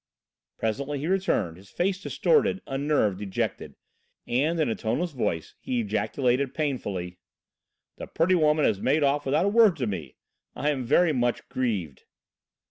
Presently he returned, his face distorted, unnerved, dejected, and in a toneless voice he ejaculated painfully: "The pretty little woman has made off without a word to me. I am very much grieved!"